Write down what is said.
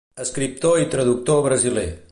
Escriptor i traductor brasiler.